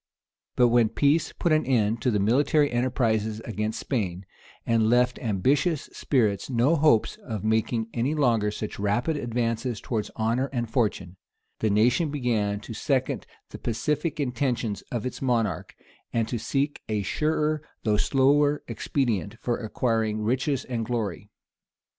But when peace put an end to the military enterprises against Spain, and left ambitious spirits no hopes of making any longer such rapid advances towards honor and fortune, the nation began to second the pacific intentions of its monarch, and to seek a surer, though slower expedient, for acquiring riches and glory.